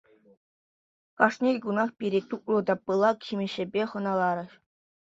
Кашни кунах пире тутлӑ та пылак ҫимӗҫсемпе хӑналарӗҫ.